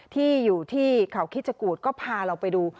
ที่อยู่ที่เขาคิดชะกูธก็พาเราไปดู